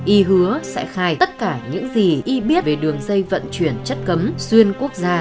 y hứa sẽ khai tất cả những gì y biết về đường dây vận chuyển chất cấm xuyên quốc gia